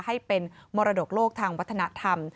ให้เป็นมรดกโลกทางวัฒนธรรม